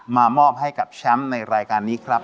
มอบให้กับแชมป์ในรายการนี้ครับ